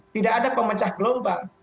tidak ada pemecah gelombang